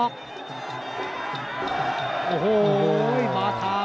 ฝ่ายทั้งเมืองนี้มันตีโต้หรืออีโต้